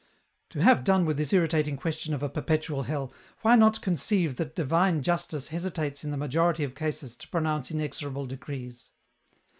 " To have done with this irritating question of a perpetual hell, why not conceive that divine justice hesitates in the majority of cases to pronounce inexorable decrees?